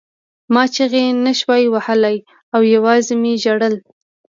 ما چیغې نشوې وهلی او یوازې مې ژړل